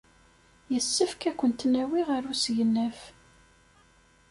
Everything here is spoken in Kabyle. Yessefk ad kent-nawi ɣer usegnaf.